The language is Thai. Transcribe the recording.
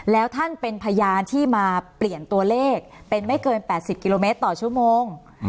แล้วท่านเป็นพยานที่มาเปลี่ยนตัวเลขเป็นไม่เกิน๘๐กิโลเมตรต่อชั่วโมง